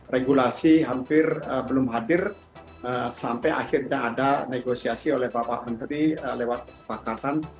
regulasi hampir belum hadir sampai akhirnya ada negosiasi oleh bapak menteri lewat kesepakatan